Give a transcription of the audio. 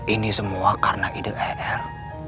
ini semua karena ide er